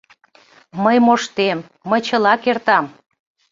— «Мый моштем, мый чыла кертам!